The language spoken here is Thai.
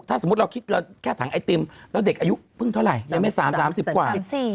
ถ้าสมมุติเราคิดเราแค่ถังไอติมแล้วเด็กอายุเพิ่งเท่าไหร่ยังไม่๓๓๐กว่า